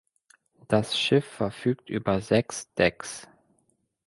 Das Schiff verfügt über sechs Decks.